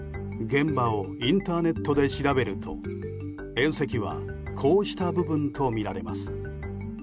現場をインターネットで調べると縁石はこうした部分とみられます。